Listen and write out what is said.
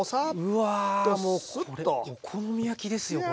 うわもうこれお好み焼きですよこれ。